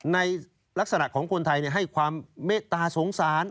ในลักษณะของคนไทยให้ความเมตตาสงสาร